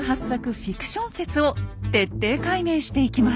フィクション説を徹底解明していきます。